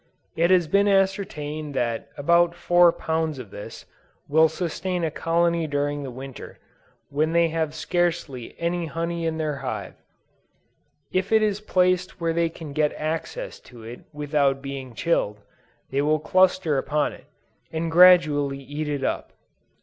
It has been ascertained that about four pounds of this, will sustain a colony during the Winter, when they have scarcely any honey in their hive! If it is placed where they can get access to it without being chilled, they will cluster upon it, and gradually eat it up.